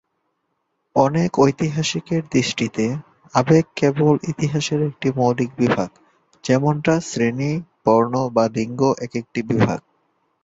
অনেক ঐতিহাসিকের দৃষ্টিতে, আবেগ কেবল ইতিহাসের একটি মৌলিক বিভাগ, যেমনটা শ্রেণি, বর্ণ বা লিঙ্গ একেকটি বিভাগ।